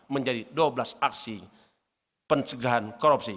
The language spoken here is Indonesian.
menjadi dua belas aksi pencegahan korupsi